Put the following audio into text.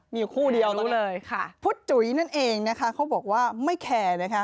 มีคู่เดียวรู้เลยค่ะพุทธจุ๋ยนั่นเองนะคะเขาบอกว่าไม่แคร์นะคะ